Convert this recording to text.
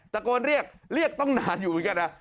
ตะโกนเรียกเรียกตั้งนานอยู่เหมือนกัน